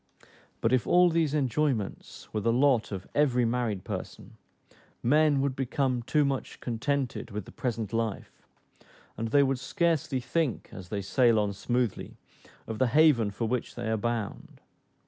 But if all these enjoyments were the lot of every married person, men would become too much contented with the present life, and they would scarcely think, as they sail on smoothly, of the haven, for which they are bound.